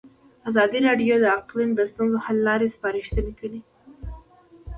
ازادي راډیو د اقلیم د ستونزو حل لارې سپارښتنې کړي.